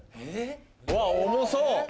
うわ重そう！